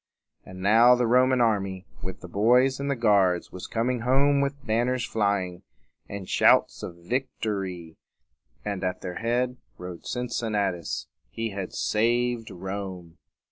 And now the Roman army, with the boys and the guards, was coming home with banners flying, and shouts of vic to ry; and at their head rode Cincinnatus. He had saved Rome.